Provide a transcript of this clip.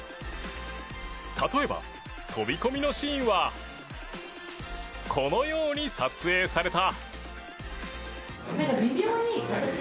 例えば、飛込のシーンはこのように撮影された。